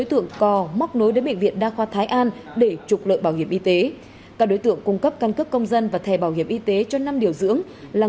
tin an ninh trả tự một đường dây chuyên lập khống hồ sơ để trục lợi bảo hiểm nhân thọ bảo hiểm y tế vừa bị triệt phá